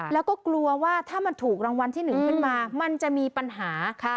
แล้วก็กลัวว่าถ้ามันถูกรางวัลที่๑ขึ้นมามันจะมีปัญหา